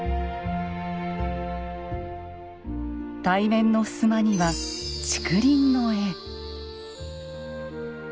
対面の襖には竹林の絵。